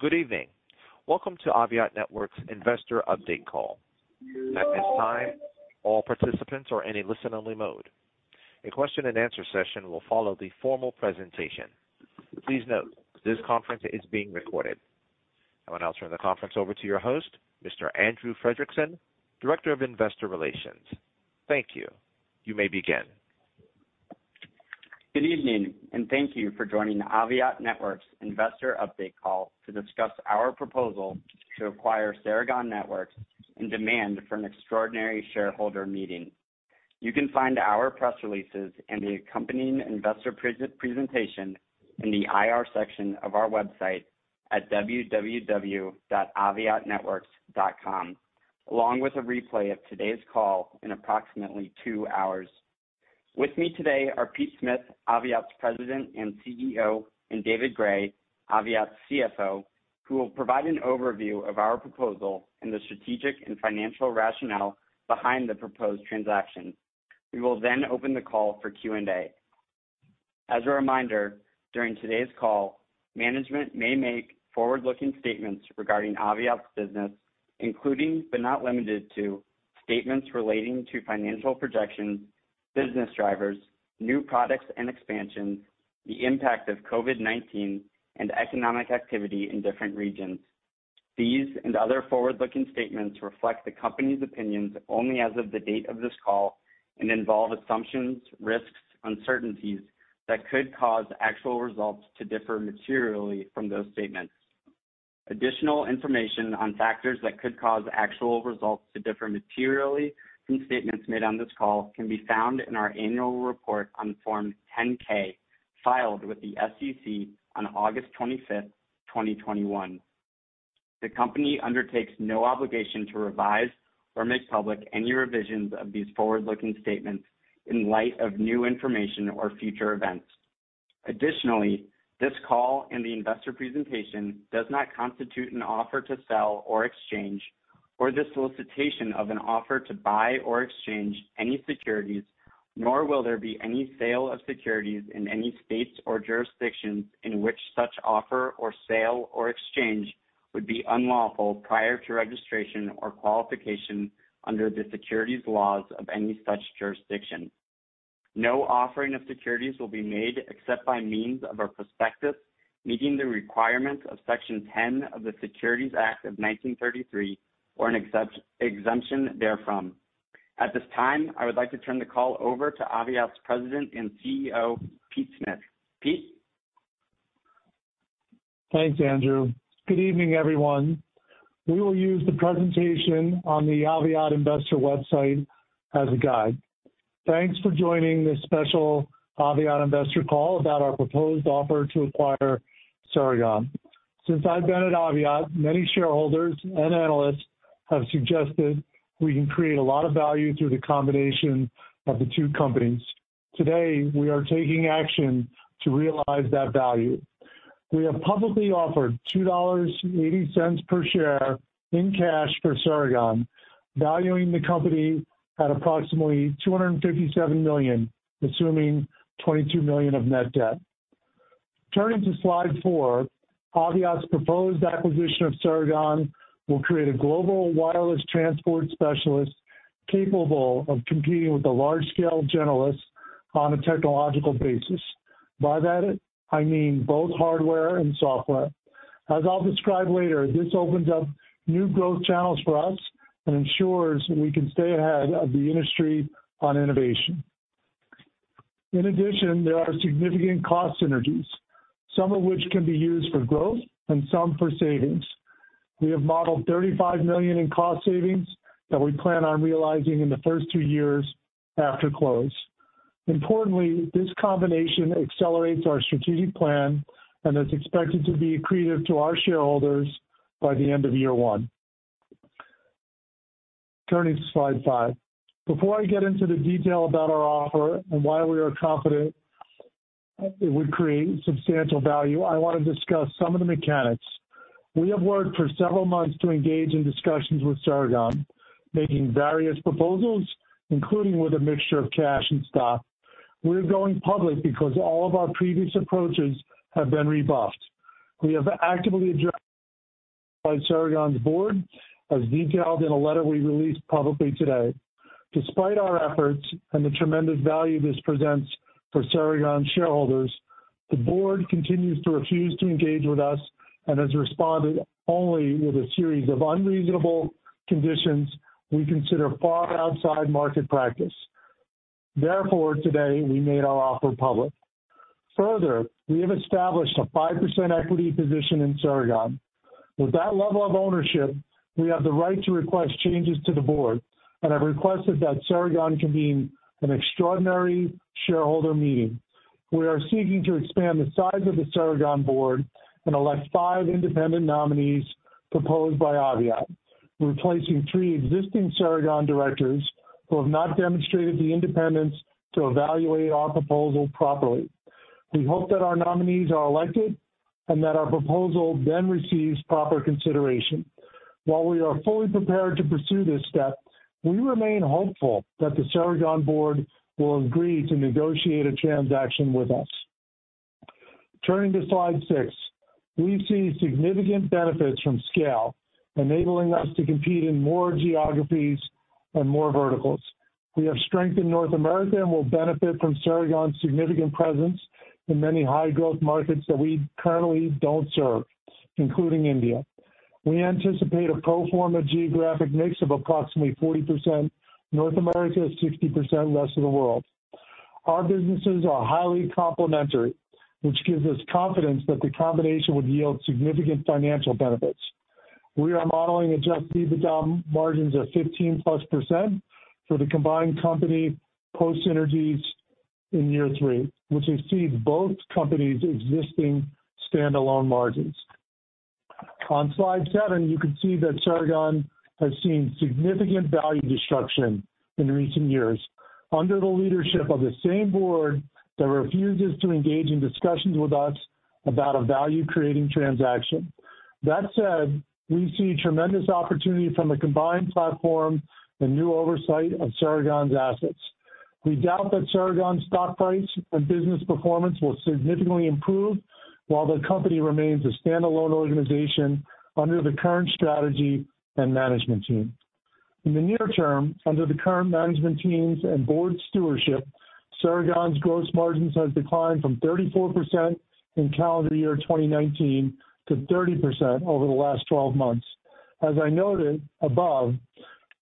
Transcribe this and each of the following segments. Good evening. Welcome to Aviat Networks' investor update call. At this time, all participants are in a listen-only mode. A question and answer session will follow the formal presentation. Please note, this conference is being recorded. I will now turn the conference over to your host, Mr. Andrew Fredrickson, Director of Investor Relations. Thank you. You may begin. Good evening, and thank you for joining Aviat Networks' investor update call to discuss our proposal to acquire Ceragon Networks and demand for an extraordinary shareholder meeting. You can find our press releases and the accompanying investor presentation in the IR section of our website at www.aviatnetworks.com, along with a replay of today's call in approximately two hours. With me today are Pete Smith, Aviat's President and CEO, and David Gray, Aviat's CFO, who will provide an overview of our proposal and the strategic and financial rationale behind the proposed transaction. We will then open the call for Q&A. As a reminder, during today's call, management may make forward-looking statements regarding Aviat's business, including, but not limited to, statements relating to financial projections, business drivers, new products and expansions, the impact of COVID-19, and economic activity in different regions. These and other forward-looking statements reflect the company's opinions only as of the date of this call and involve assumptions, risks, uncertainties that could cause actual results to differ materially from those statements. Additional information on factors that could cause actual results to differ materially from statements made on this call can be found in our annual report on Form 10-K, filed with the SEC on August 25, 2021. The company undertakes no obligation to revise or make public any revisions of these forward-looking statements in light of new information or future events. Additionally, this call and the investor presentation does not constitute an offer to sell or exchange or the solicitation of an offer to buy or exchange any securities, nor will there be any sale of securities in any states or jurisdictions in which such offer or sale or exchange would be unlawful prior to registration or qualification under the securities laws of any such jurisdiction. No offering of securities will be made except by means of our prospectus, meeting the requirements of Section 10 of the Securities Act of 1933 or an exemption therefrom. At this time, I would like to turn the call over to Aviat's President and CEO, Pete Smith. Pete. Thanks, Andrew. Good evening, everyone. We will use the presentation on the Aviat investor website as a guide. Thanks for joining this special Aviat investor call about our proposed offer to acquire Ceragon. Since I've been at Aviat, many shareholders and analysts have suggested we can create a lot of value through the combination of the two companies. Today, we are taking action to realize that value. We have publicly offered $2.80 per share in cash for Ceragon, valuing the company at approximately $257 million, assuming $22 million of net debt. Turning to slide four, Aviat's proposed acquisition of Ceragon will create a global wireless transport specialist capable of competing with the large-scale generalists on a technological basis. By that, I mean both hardware and software. As I'll describe later, this opens up new growth channels for us and ensures that we can stay ahead of the industry on innovation. In addition, there are significant cost synergies, some of which can be used for growth and some for savings. We have modeled $35 million in cost savings that we plan on realizing in the first two years after close. Importantly, this combination accelerates our strategic plan and is expected to be accretive to our shareholders by the end of year one. Turning to slide five. Before I get into the detail about our offer and why we are confident it would create substantial value, I wanna discuss some of the mechanics. We have worked for several months to engage in discussions with Ceragon, making various proposals, including with a mixture of cash and stock. We're going public because all of our previous approaches have been rebuffed. We have actively sought to engage with Ceragon's board, as detailed in a letter we released publicly today. Despite our efforts and the tremendous value this presents for Ceragon shareholders, the board continues to refuse to engage with us and has responded only with a series of unreasonable conditions we consider far outside market practice. Therefore, today, we made our offer public. Further, we have established a 5% equity position in Ceragon. With that level of ownership, we have the right to request changes to the board and have requested that Ceragon convene an extraordinary shareholder meeting. We are seeking to expand the size of the Ceragon board and elect five independent nominees proposed by Aviat, replacing three existing Ceragon directors who have not demonstrated the independence to evaluate our proposal properly. We hope that our nominees are elected and that our proposal then receives proper consideration. While we are fully prepared to pursue this step, we remain hopeful that the Ceragon board will agree to negotiate a transaction with us. Turning to slide six. We see significant benefits from scale, enabling us to compete in more geographies and more verticals. We have strength in North America and will benefit from Ceragon's significant presence in many high-growth markets that we currently don't serve, including India. We anticipate a pro forma geographic mix of approximately 40% North America, 60% rest of the world. Our businesses are highly complementary, which gives us confidence that the combination would yield significant financial benefits. We are modeling adjusted EBITDA margins of +15% for the combined company post synergies in year three, which exceeds both companies' existing stand-alone margins. On slide seven, you can see that Ceragon has seen significant value destruction in recent years under the leadership of the same board that refuses to engage in discussions with us about a value-creating transaction. That said, we see tremendous opportunity from a combined platform and new oversight of Ceragon's assets. We doubt that Ceragon's stock price and business performance will significantly improve while the company remains a stand-alone organization under the current strategy and management team. In the near term, under the current management teams and board stewardship, Ceragon's gross margins has declined from 34% in calendar year 2019 to 30% over the last 12 months. As I noted above,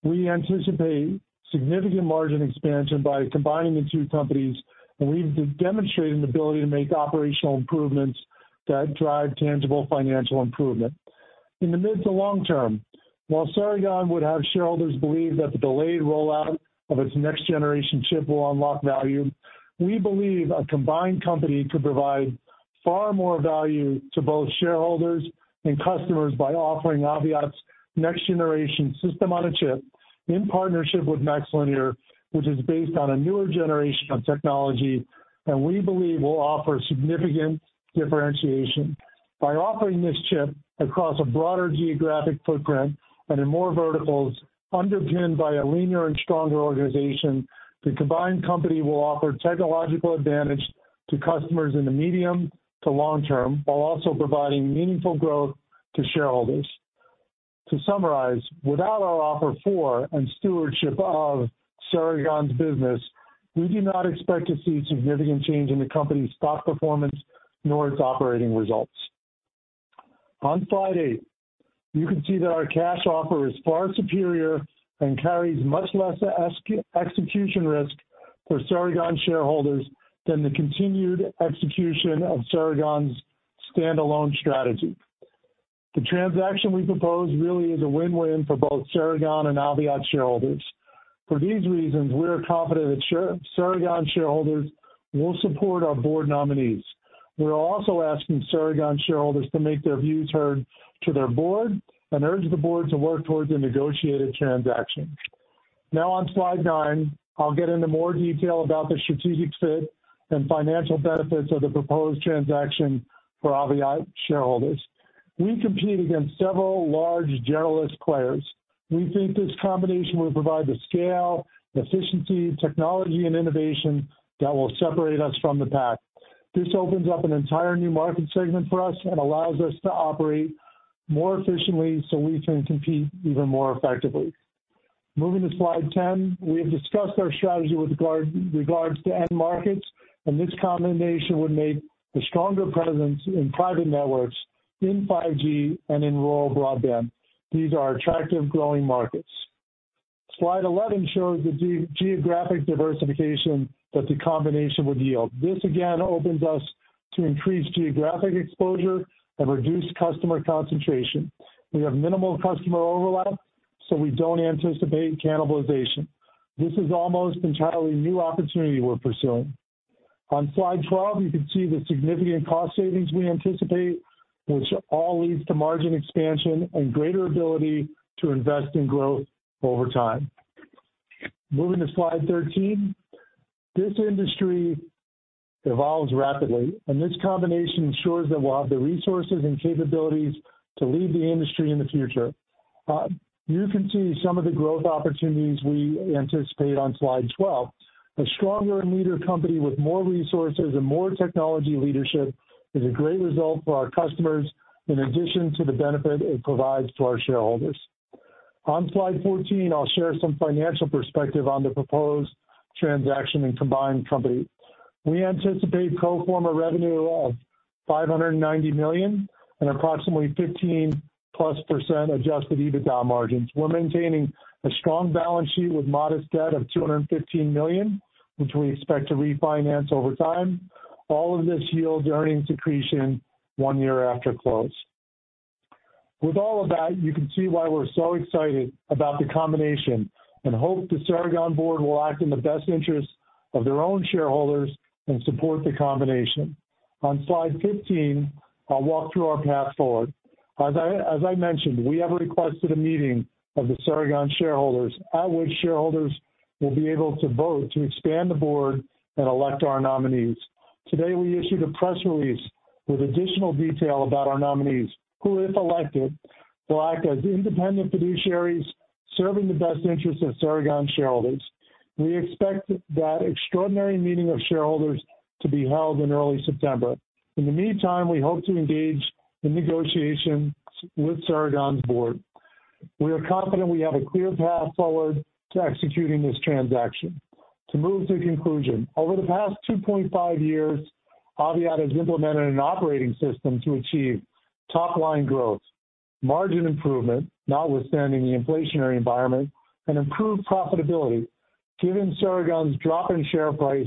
we anticipate significant margin expansion by combining the two companies, and we've been demonstrating the ability to make operational improvements that drive tangible financial improvement. In the mid to long term, while Ceragon would have shareholders believe that the delayed rollout of its next-generation chip will unlock value, we believe a combined company could provide far more value to both shareholders and customers by offering Aviat's next-generation system on a chip in partnership with MaxLinear, which is based on a newer generation of technology that we believe will offer significant differentiation. By offering this chip across a broader geographic footprint and in more verticals, underpinned by a leaner and stronger organization, the combined company will offer technological advantage to customers in the medium to long term, while also providing meaningful growth to shareholders. To summarize, without our offer for and stewardship of Ceragon's business, we do not expect to see significant change in the company's stock performance nor its operating results. On slide eight, you can see that our cash offer is far superior and carries much less execution risk for Ceragon shareholders than the continued execution of Ceragon's stand-alone strategy. The transaction we propose really is a win-win for both Ceragon and Aviat shareholders. For these reasons, we are confident that Ceragon shareholders will support our board nominees. We're also asking Ceragon shareholders to make their views heard to their board and urge the board to work towards a negotiated transaction. Now on slide nine, I'll get into more detail about the strategic fit and financial benefits of the proposed transaction for Aviat shareholders. We compete against several large generalist players. We think this combination will provide the scale, efficiency, technology, and innovation that will separate us from the pack. This opens up an entire new market segment for us and allows us to operate more efficiently so we can compete even more effectively. Moving to slide 10. We have discussed our strategy with regards to end markets, and this combination would make a stronger presence in private networks, in 5G, and in rural broadband. These are attractive growing markets. Slide 11 shows the geographic diversification that the combination would yield. This again opens us to increased geographic exposure and reduced customer concentration. We have minimal customer overlap, so we don't anticipate cannibalization. This is almost entirely new opportunity we're pursuing. On slide 12, you can see the significant cost savings we anticipate, which all leads to margin expansion and greater ability to invest in growth over time. Moving to slide 13. This industry evolves rapidly, and this combination ensures that we'll have the resources and capabilities to lead the industry in the future. You can see some of the growth opportunities we anticipate on slide 12. A stronger leader company with more resources and more technology leadership is a great result for our customers, in addition to the benefit it provides to our shareholders. On slide 14, I'll share some financial perspective on the proposed transaction and combined company. We anticipate pro forma revenue of $590 million and approximately +15% adjusted EBITDA margins. We're maintaining a strong balance sheet with modest debt of $215 million, which we expect to refinance over time. All of this yields earnings accretion one year after close. With all of that, you can see why we're so excited about the combination and hope the Ceragon board will act in the best interest of their own shareholders and support the combination. On slide 15, I'll walk through our path forward. As I mentioned, we have requested a meeting of the Ceragon shareholders, at which shareholders will be able to vote to expand the board and elect our nominees. Today, we issued a press release with additional detail about our nominees, who, if elected, will act as independent fiduciaries serving the best interests of Ceragon shareholders. We expect that extraordinary meeting of shareholders to be held in early September. In the meantime, we hope to engage in negotiations with Ceragon's board. We are confident we have a clear path forward to executing this transaction. To move to conclusion, over the past 2.5 years, Aviat has implemented an operating system to achieve top line growth, margin improvement, notwithstanding the inflationary environment, and improved profitability. Given Ceragon's drop in share price,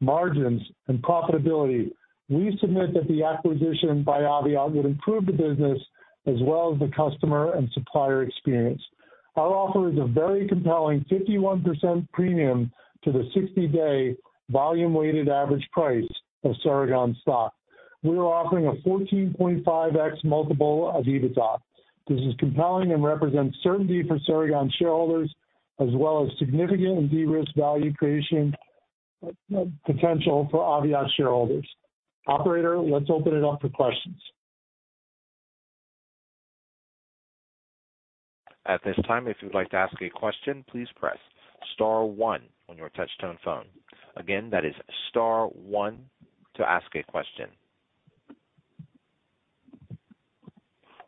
margins, and profitability, we submit that the acquisition by Aviat would improve the business as well as the customer and supplier experience. Our offer is a very compelling 51% premium to the 60-day volume weighted average price of Ceragon stock. We are offering a 14.5x multiple of EBITDA. This is compelling and represents certainty for Ceragon shareholders, as well as significant and de-risked value creation, potential for Aviat shareholders. Operator, let's open it up for questions. At this time, if you'd like to ask a question, please press star one on your touchtone phone. Again, that is star one to ask a question.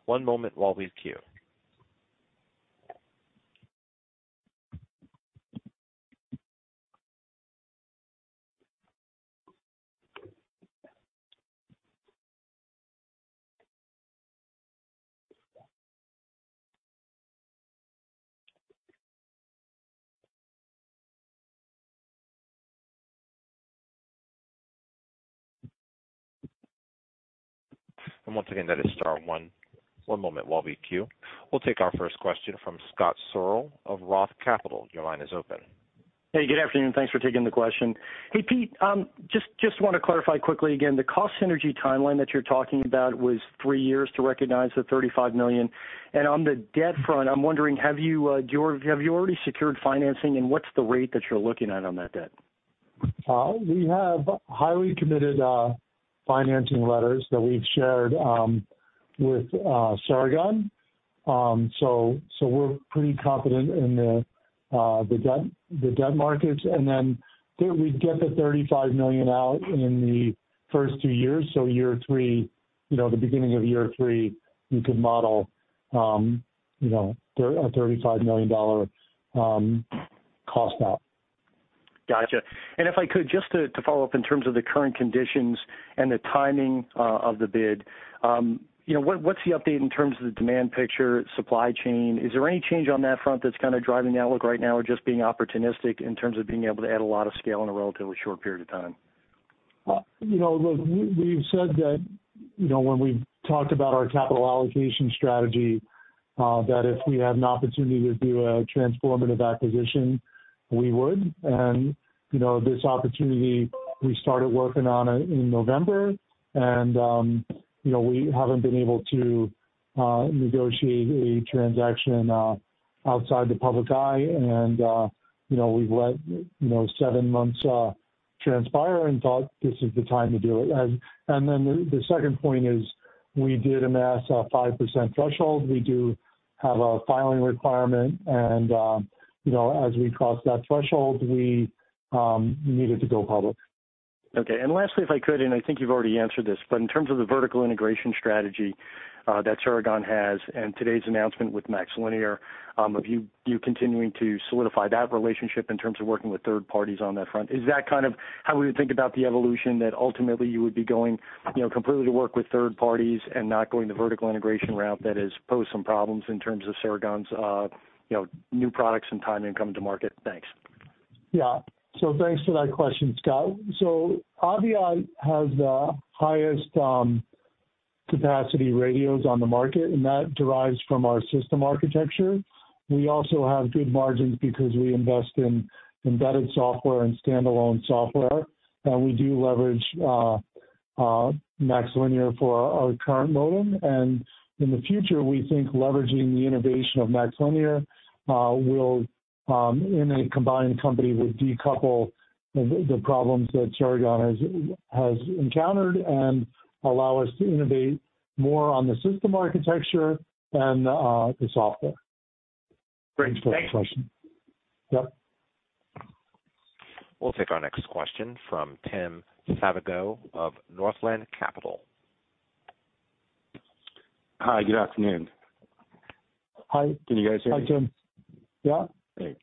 One moment while we queue. Once again, that is star one. One moment while we queue. We'll take our first question from Scott Searle of Roth Capital Partners. Your line is open. Hey, good afternoon. Thanks for taking the question. Hey, Pete, just want to clarify quickly again, the cost synergy timeline that you're talking about was three years to recognize the $35 million. On the debt front, I'm wondering, have you already secured financing, and what's the rate that you're looking at on that debt? We have highly committed financing letters that we've shared with Ceragon. We're pretty confident in the debt markets. We get the $35 million out in the first two years. Year three, you know, the beginning of year three, you could model, you know, $35 million cost out. Gotcha. If I could, just to follow up in terms of the current conditions and the timing of the bid. You know, what's the update in terms of the demand picture, supply chain? Is there any change on that front that's kind of driving the outlook right now or just being opportunistic in terms of being able to add a lot of scale in a relatively short period of time? You know, look, we've said that, you know, when we talked about our capital allocation strategy, that if we had an opportunity to do a transformative acquisition, we would. You know, this opportunity, we started working on it in November. You know, we haven't been able to negotiate a transaction outside the public eye. You know, we've let seven months transpire and thought this is the time to do it. Then the second point is we did amass a 5% threshold. We do have a filing requirement. You know, as we crossed that threshold, we needed to go public. Okay. Lastly, if I could, and I think you've already answered this, but in terms of the vertical integration strategy that Ceragon has and today's announcement with MaxLinear, of you continuing to solidify that relationship in terms of working with third parties on that front. Is that kind of how we would think about the evolution that ultimately you would be going, you know, completely to work with third parties and not going the vertical integration route that has posed some problems in terms of Ceragon's, you know, new products and time to come to market? Thanks. Yeah. Thanks for that question, Scott. Aviat has the highest capacity radios on the market, and that derives from our system architecture. We also have good margins because we invest in embedded software and standalone software. We do leverage MaxLinear for our current modem. In the future, we think leveraging the innovation of MaxLinear will, in a combined company, decouple the problems that Ceragon has encountered and allow us to innovate more on the system architecture and the software. Great. Thanks. Thanks for the question. Yep. We'll take our next question from Tim Savageaux of Northland Capital. Hi. Good afternoon. Hi. Can you guys hear me? Hi, Tim. Yeah. Great.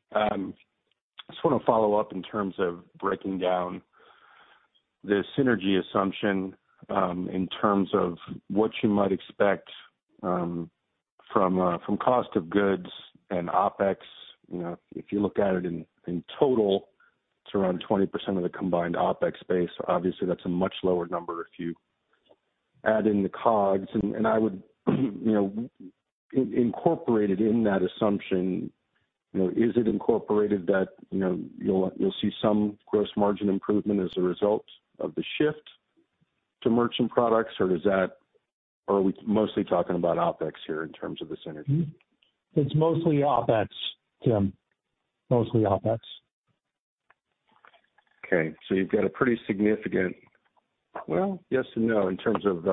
Just wanna follow up in terms of breaking down the synergy assumption in terms of what you might expect from cost of goods and OpEx. You know, if you look at it in total, it's around 20% of the combined OpEx base. Obviously, that's a much lower number if you add in the COGS. Is it incorporated in that assumption that, you know, you'll see some gross margin improvement as a result of the shift to merchant products, or are we mostly talking about OpEx here in terms of the synergy? It's mostly OpEx, Tim. Mostly OpEx. Well, yes and no in terms of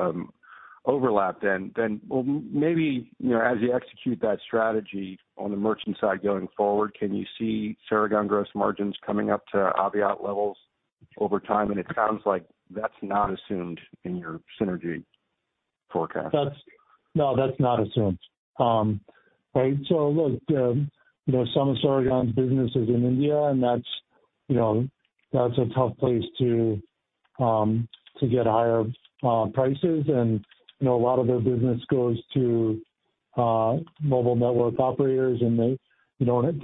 overlap then. Well, maybe, you know, as you execute that strategy on the merchant side going forward, can you see Ceragon gross margins coming up to Aviat levels over time? It sounds like that's not assumed in your synergy forecast. No, that's not assumed. Right. Look, you know, some of Ceragon's business is in India, and that's, you know, that's a tough place to get higher prices. You know, a lot of their business goes to mobile network operators, and they, you know, don't have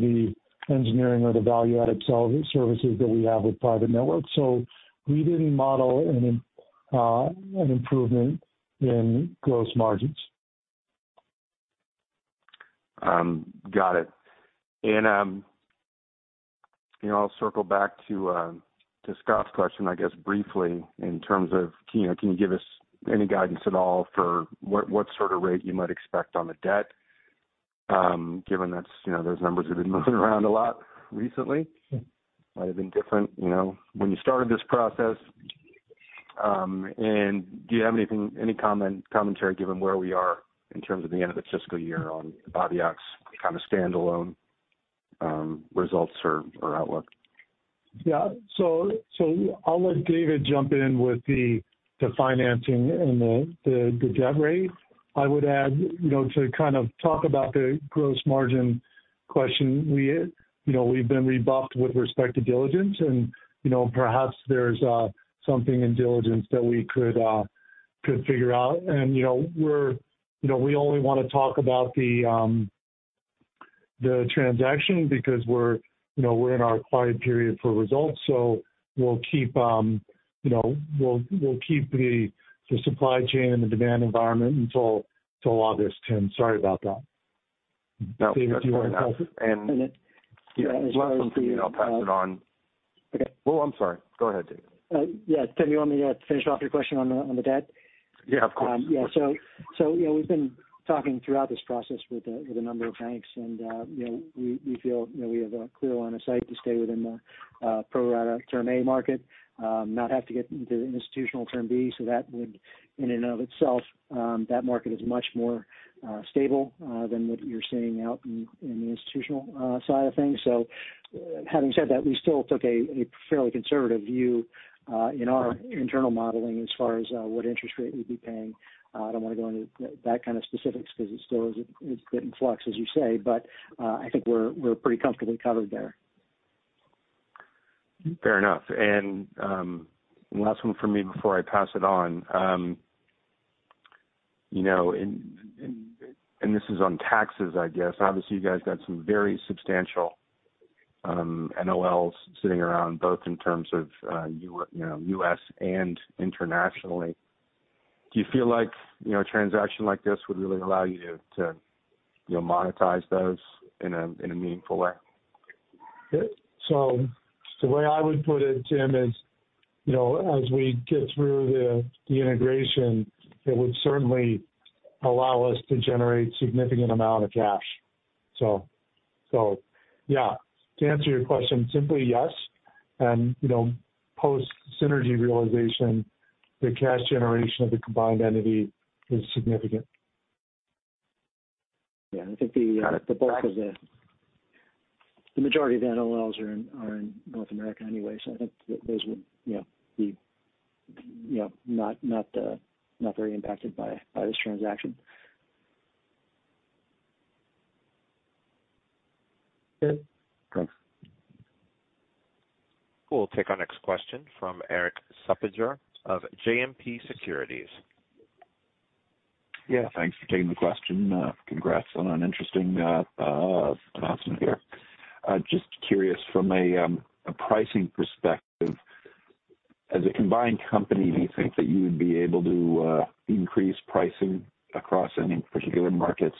the engineering or the value-added services that we have with private networks. We didn't model an improvement in gross margins. Got it. You know, I'll circle back to Scott's question, I guess, briefly in terms of, can you give us any guidance at all for what sort of rate you might expect on the debt, given that's, you know, those numbers have been moving around a lot recently? Sure. Might have been different, you know, when you started this process. Do you have anything, any comment, commentary given where we are in terms of the end of the fiscal year on Aviat's kind of standalone results or outlook? Yeah. So I'll let David jump in with the financing and the debt rate. I would add, you know, to kind of talk about the gross margin question, we, you know, we've been rebuffed with respect to diligence and, you know, perhaps there's something in diligence that we could figure out. You know, we only wanna talk about the transaction because we're, you know, we're in our quiet period for results, so we'll keep the supply chain and the demand environment until August, Tim. Sorry about that. No, that's fair enough. David, do you wanna comment? Yeah. As far as the. Last one from me, and I'll pass it on. Okay. Oh, I'm sorry. Go ahead, David. Yeah, Tim, you want me to finish off your question on the debt? Yeah, of course. Yeah, so you know, we've been talking throughout this process with a number of banks and you know, we feel you know, we have a clear line of sight to stay within the pro rata Term A market, not have to get into institutional Term B. That market is much more stable than what you're seeing out in the institutional side of things. Having said that, we still took a fairly conservative view in our internal modeling as far as what interest rate we'd be paying. I don't wanna go into that kind of specifics 'cause it still is a bit in flux, as you say. I think we're pretty comfortably covered there. Fair enough. Last one from me before I pass it on. You know, this is on taxes, I guess. Obviously you guys got some very substantial NOLs sitting around both in terms of you know, U.S. and internationally. Do you feel like, you know, a transaction like this would really allow you to monetize those in a meaningful way? The way I would put it, Tim, is, you know, as we get through the integration, it would certainly allow us to generate significant amount of cash. Yeah, to answer your question simply, yes. You know, post synergy realization, the cash generation of the combined entity is significant. Yeah. I think. Got it. The majority of the NOLs are in North America anyway, so I think those would, you know, be, you know, not very impacted by this transaction. Yeah. Thanks. We'll take our next question from Erik Suppiger of JMP Securities. Yeah, thanks for taking the question. Congrats on an interesting announcement here. Just curious from a pricing perspective, as a combined company, do you think that you would be able to increase pricing across any particular markets?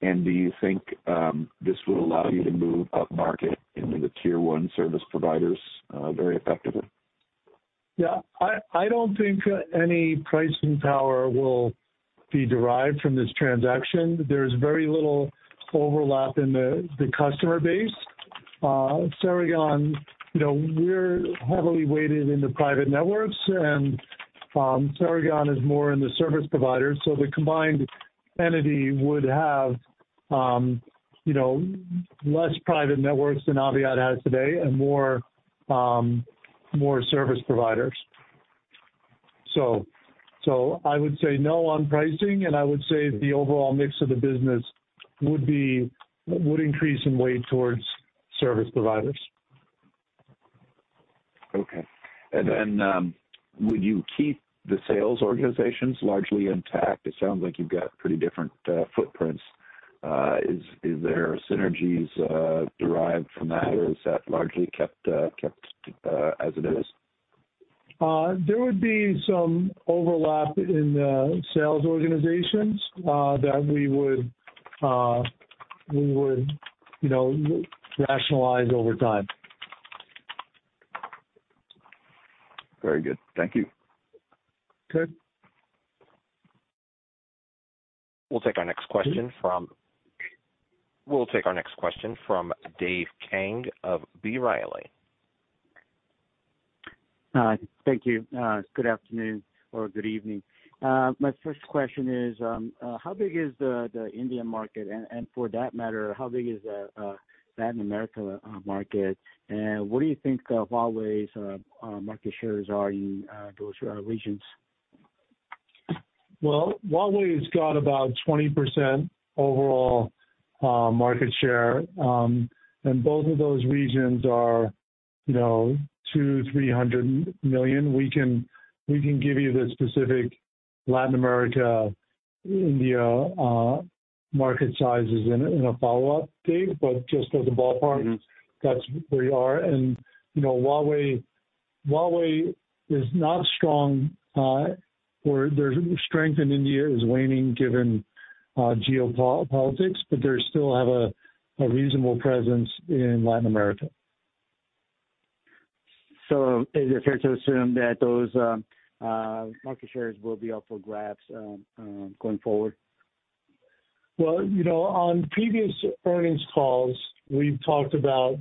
Do you think this will allow you to move upmarket into the tier one service providers very effectively? Yeah. I don't think any pricing power will be derived from this transaction. There's very little overlap in the customer base. Ceragon, you know, we're heavily weighted into private networks, and Ceragon is more in the service provider. The combined entity would have, you know, less private networks than Aviat has today and more service providers. I would say no on pricing, and I would say the overall mix of the business would increase in weight towards service providers. Okay. Would you keep the sales organizations largely intact? It sounds like you've got pretty different footprints. Is there synergies derived from that, or is that largely kept as it is? There would be some overlap in the sales organizations that we would, you know, rationalize over time. Very good. Thank you. Good. We'll take our next question from Dave Kang of B. Riley. Thank you. Good afternoon or good evening. My first question is, how big is the India market? For that matter, how big is the Latin America market? What do you think of Huawei's market shares are in those regions? Huawei has got about 20% overall market share. Both of those regions are, you know, $200 million-$300 million. We can give you the specific Latin America, India market sizes in a follow-up date, but just as a ballpark. Mm-hmm. That's where we are. You know, Huawei is not strong, or their strength in India is waning given geopolitics, but they still have a reasonable presence in Latin America. Is it fair to assume that those market shares will be up for grabs going forward? Well, you know, on previous earnings calls, we've talked about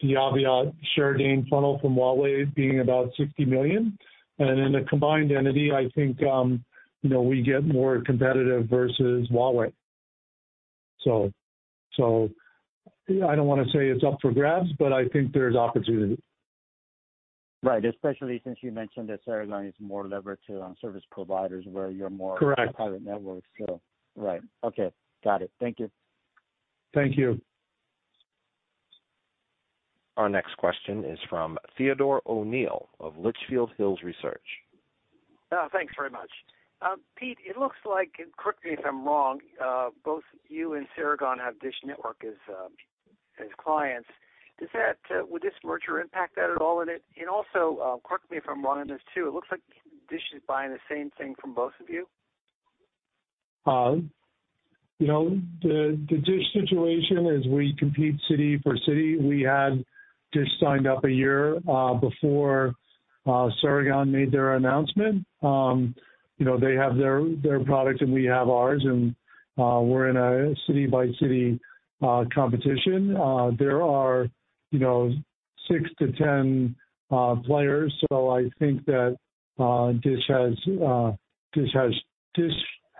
the Aviat share gain funnel from Huawei being about $60 million. In a combined entity, I think, you know, we get more competitive versus Huawei. I don't wanna say it's up for grabs, but I think there's opportunity. Right. Especially since you mentioned that Ceragon is more levered to service providers where you're more- Correct. to private networks. Right. Okay. Got it. Thank you. Thank you. Our next question is from Theodore O'Neill of Litchfield Hills Research. Thanks very much. Pete, it looks like, correct me if I'm wrong, both you and Ceragon have DISH Network as clients. Would this merger impact that at all? Correct me if I'm wrong on this too, it looks like DISH is buying the same thing from both of you. You know, the DISH situation is we compete city for city. We had DISH signed up a year before Ceragon made their announcement. You know, they have their product, and we have ours, and we're in a city-by-city competition. There are, you know, 6-10 players. I think that DISH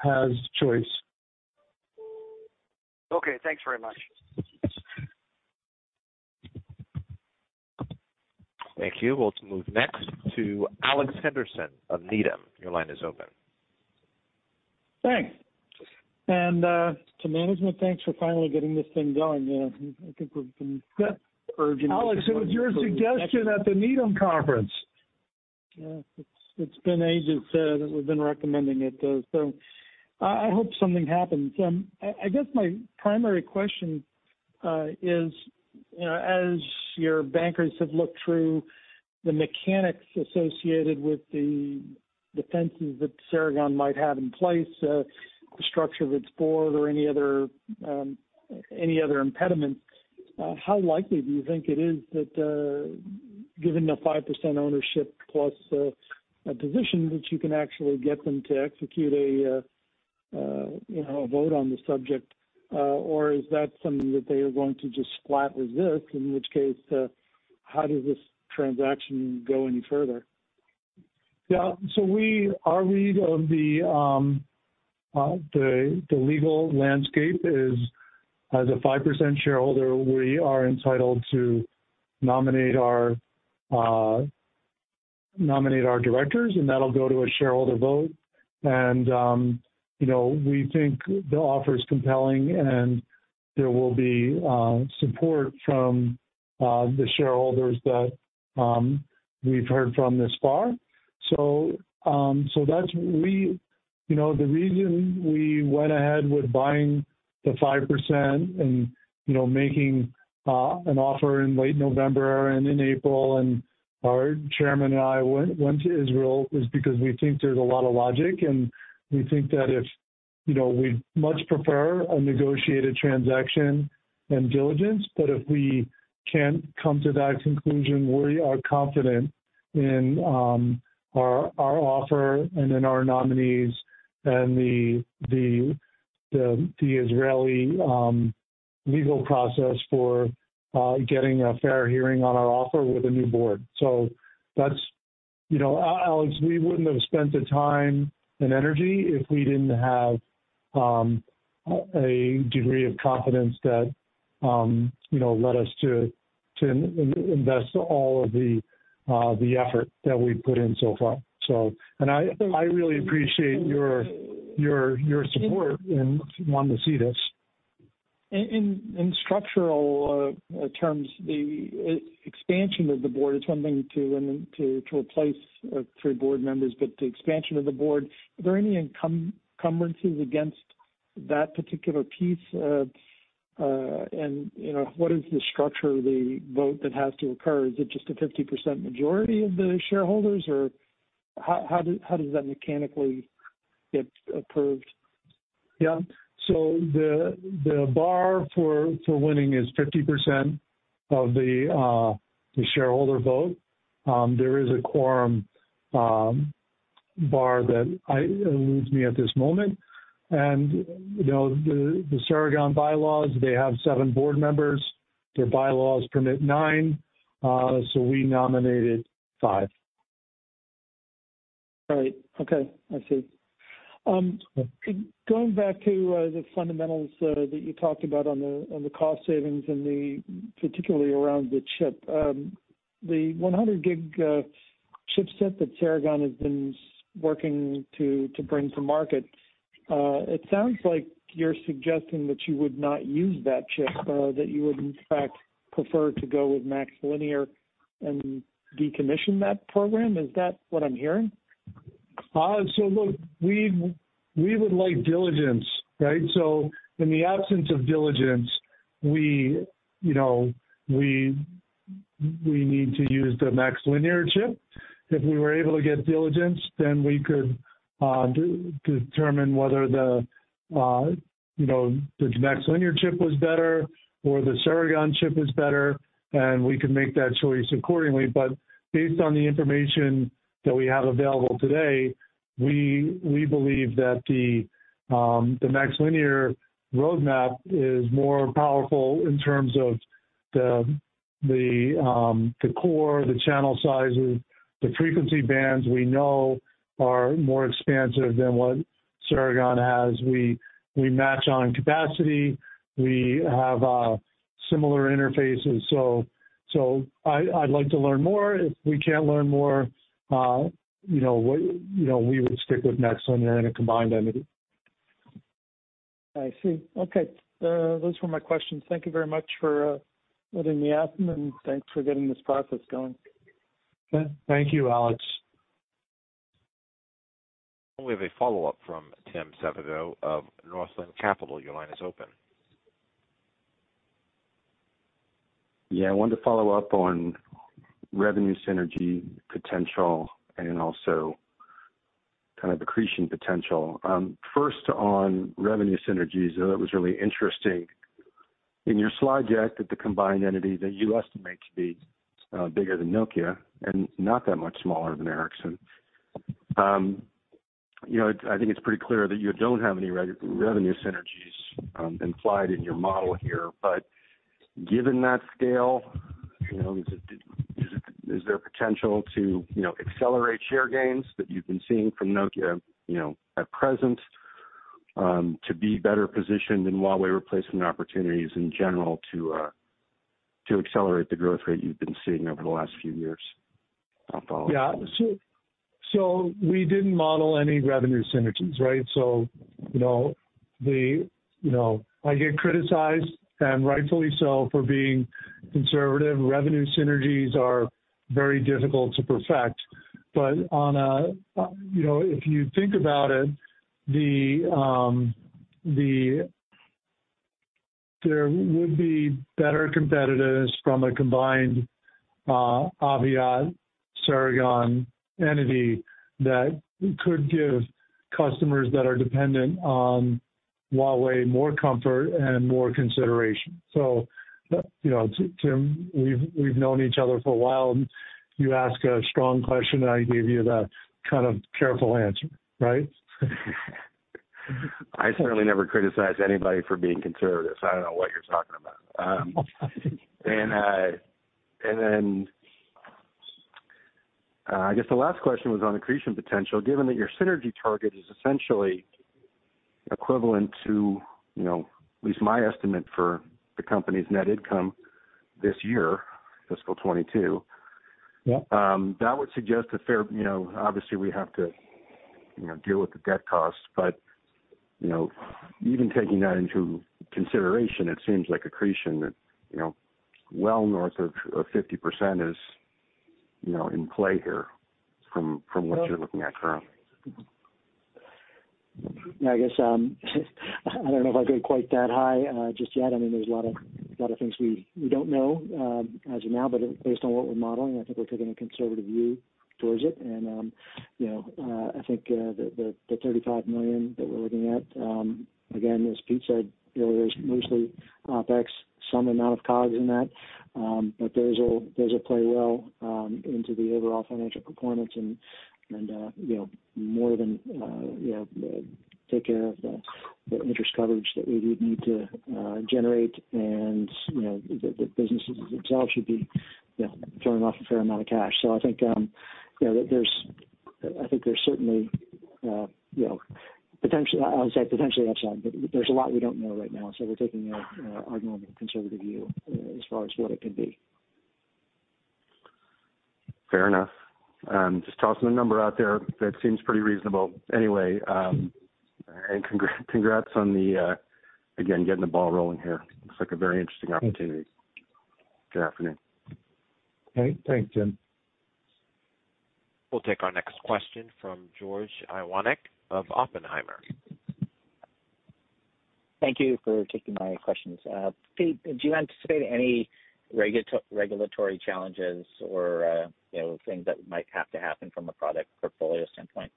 has choice. Okay, thanks very much. Thank you. We'll move next to Alex Henderson of Needham. Your line is open. Thanks. To management, thanks for finally getting this thing going. You know, I think we've been urging. Alex, it was your suggestion at the Needham conference. Yeah. It's been ages that we've been recommending it. So I guess my primary question is, you know, as your bankers have looked through the mechanics associated with the defenses that Ceragon might have in place, the structure of its board or any other impediments, how likely do you think it is that, given the 5% ownership plus a position that you can actually get them to execute a you know a vote on the subject? Or is that something that they are going to just flat resist, in which case, how does this transaction go any further? Yeah. Our read of the legal landscape is, as a 5% shareholder, we are entitled to nominate our directors, and that'll go to a shareholder vote. You know, we think the offer is compelling, and there will be support from the shareholders that we've heard from thus far. You know, the reason we went ahead with buying the 5% and, you know, making an offer in late November and in April, and our chairman and I went to Israel, is because we think there's a lot of logic. We think that if we'd much prefer a negotiated transaction and diligence, but if we can't come to that conclusion, we are confident in our offer and in our nominees and the Israeli legal process for getting a fair hearing on our offer with a new board. That's Alex, we wouldn't have spent the time and energy if we didn't have a degree of confidence that led us to invest all of the effort that we've put in so far. I really appreciate your support in wanting to see this. In structural terms, the expansion of the board, it's one thing to limit to replace three board members, but the expansion of the board, are there any encumbrances against that particular piece? You know, what is the structure of the vote that has to occur? Is it just a 50% majority of the shareholders or how does that mechanically get approved? The bar for winning is 50% of the shareholder vote. There is a quorum bar that eludes me at this moment. You know, the Ceragon bylaws, they have seven board members. Their bylaws permit nine. We nominated five. All right. Okay. I see. Going back to the fundamentals that you talked about on the cost savings and particularly around the chip. The 100 gig chipset that Ceragon has been working to bring to market, it sounds like you're suggesting that you would not use that chip, that you would in fact prefer to go with MaxLinear and decommission that program. Is that what I'm hearing? Look, we would like diligence, right? In the absence of diligence, you know, we need to use the MaxLinear chip. If we were able to get diligence, then we could determine whether you know, the MaxLinear chip was better or the Ceragon chip is better, and we can make that choice accordingly. Based on the information that we have available today, we believe that the MaxLinear roadmap is more powerful in terms of the core channel sizes. The frequency bands we know are more expansive than what Ceragon has. We match on capacity. We have similar interfaces. I would like to learn more. If we can't learn more, you know, we would stick with MaxLinear in a combined entity. I see. Okay. Those were my questions. Thank you very much for letting me ask them, and thanks for getting this process going. Thank you, Alex. We have a follow-up from Tim Savageaux of Northland Capital. Your line is open. Yeah, I wanted to follow up on revenue synergy potential and also kind of accretion potential. First on revenue synergies. I thought it was really interesting in your slide deck that the combined entity that you estimate to be bigger than Nokia and not that much smaller than Ericsson. You know, I think it's pretty clear that you don't have any revenue synergies implied in your model here. But given that scale, you know, is there potential to, you know, accelerate share gains that you've been seeing from Nokia, you know, at present, to be better positioned in Huawei replacement opportunities in general to accelerate the growth rate you've been seeing over the last few years? Yeah. We didn't model any revenue synergies, right? You know, the, you know, I get criticized, and rightfully so, for being conservative. Revenue synergies are very difficult to perfect. But on a, you know, if you think about it, the there would be better competitors from a combined Aviat, Ceragon entity that could give customers that are dependent on Huawei more comfort and more consideration. You know, Tim, we've known each other for a while. You ask a strong question, and I gave you the kind of careful answer, right? I certainly never criticize anybody for being conservative. I don't know what you're talking about. I guess the last question was on accretion potential. Given that your synergy target is essentially equivalent to, you know, at least my estimate for the company's net income this year, fiscal 2022 that would suggest a fair, you know, obviously we have to, you know, deal with the debt cost. You know, even taking that into consideration, it seems like accretion that, you know, well north of 50% is, you know, in play here from what you're looking at currently. Yeah, I guess, I don't know if I'd go quite that high, just yet. I mean, there's a lot of things we don't know as of now. Based on what we're modeling, I think we're taking a conservative view towards it. You know, I think the $35 million that we're looking at, again, as Pete said, you know, there's mostly OpEx, some amount of COGS in that. Those will play well into the overall financial performance and, you know, more than you know take care of the interest coverage that we would need to generate and, you know, the businesses itself should be, you know, throwing off a fair amount of cash. I think, you know, I think there's certainly, you know, potential, I'll say, potentially upside, but there's a lot we don't know right now, so we're taking a normal conservative view, as far as what it could be. Fair enough. Just tossing a number out there that seems pretty reasonable. Anyway, and congrats on the, again, getting the ball rolling here. Looks like a very interesting opportunity. Good afternoon. Okay. Thanks, Tim. We'll take our next question from George Iwanyc of Oppenheimer. Thank you for taking my questions. Pete, do you anticipate any regulatory challenges or, you know, things that might have to happen from a product portfolio standpoint?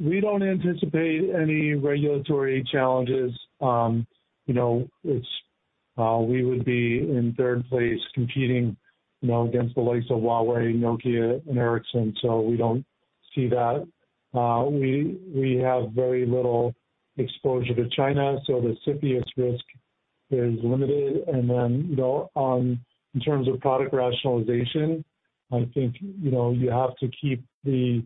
We don't anticipate any regulatory challenges. You know, it's we would be in third place competing, you know, against the likes of Huawei, Nokia, and Ericsson, so we don't see that. We have very little exposure to China, so the CFIUS risk is limited. You know, in terms of product rationalization, I think, you know, you have to keep the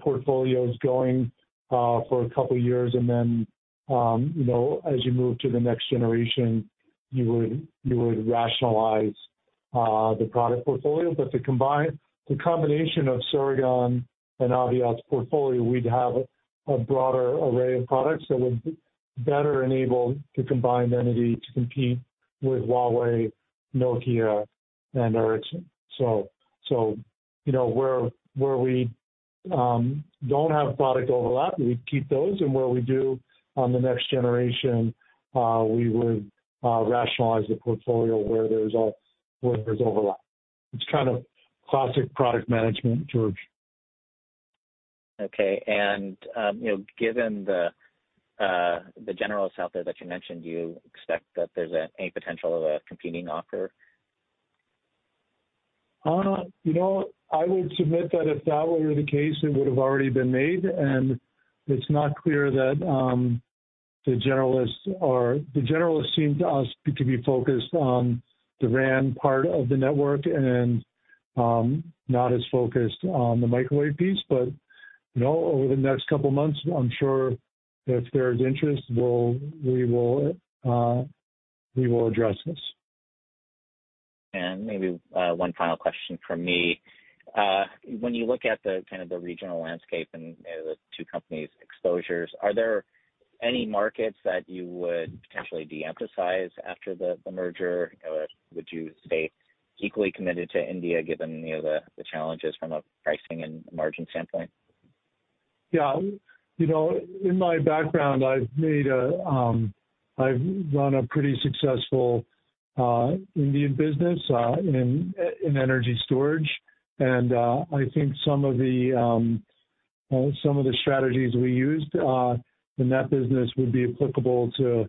portfolios going for a couple years, and then, you know, as you move to the next generation, you would rationalize the product portfolio. The combination of Ceragon and Aviat's portfolio, we'd have a broader array of products that would better enable the combined entity to compete with Huawei, Nokia, and Ericsson. You know, where we don't have product overlap, we'd keep those. What we do on the next generation, we would rationalize the portfolio where there's overlap. It's kind of classic product management, George. Okay. You know, given the generalists out there that you mentioned, do you expect that there's any potential of a competing offer? You know, I would submit that if that were the case, it would've already been made, and it's not clear that the generalists are. The generalists seem to us to be focused on the RAN part of the network and not as focused on the microwave piece. You know, over the next couple months, I'm sure if there's interest, we will address this. Maybe one final question from me. When you look at the kind of the regional landscape and, you know, the two companies' exposures, are there any markets that you would potentially de-emphasize after the merger? Or would you stay equally committed to India, given, you know, the challenges from a pricing and margin standpoint? Yeah. You know, in my background, I've run a pretty successful Indian business in energy storage. I think some of the strategies we used in that business would be applicable to,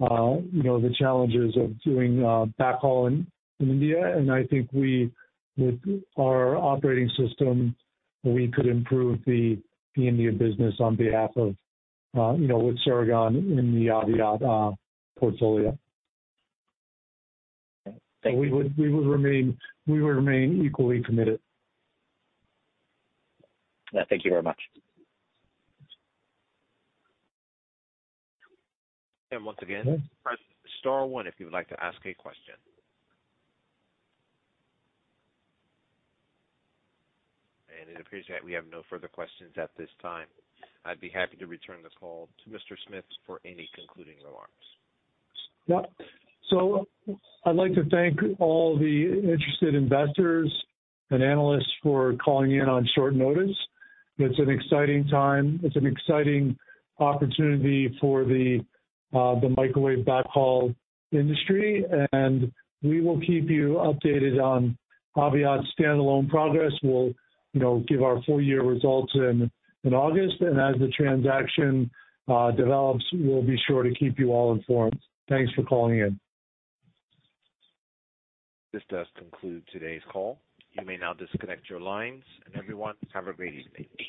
you know, the challenges of doing backhaul in India. I think we, with our operating system, we could improve the India business on behalf of, you know, with Ceragon in the Aviat portfolio. Thank you. We would remain equally committed. Yeah, thank you very much. Once again, press star one if you would like to ask a question. It appears that we have no further questions at this time. I'd be happy to return the call to Mr. Smith for any concluding remarks. Yeah. I'd like to thank all the interested investors and analysts for calling in on short notice. It's an exciting time. It's an exciting opportunity for the microwave backhaul industry, and we will keep you updated on Aviat's standalone progress. We'll give our full year results in August. As the transaction develops, we'll be sure to keep you all informed. Thanks for calling in. This does conclude today's call. You may now disconnect your lines, and everyone have a great evening.